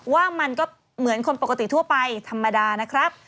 ว่ามันก็เหมือนคนปกติทั่วไปธรรมดานะครับ